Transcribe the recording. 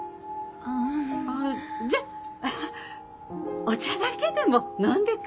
あじゃあお茶だけでも飲んでく？